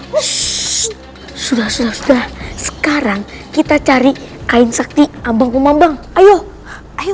hai shh sudah sudah sekarang kita cari kain sakti abang abang ayo ayo